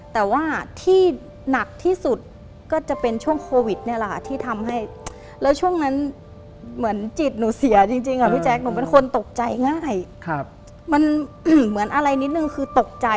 แต่ว่าที่หนักที่สุดก็จะเป็นช่วงโควิดเนี่ยแหละค่ะ